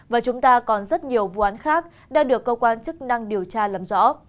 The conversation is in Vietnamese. và chúng ta còn rất nhiều vụ án khác đang được cơ quan chức năng điều tra lầm rõ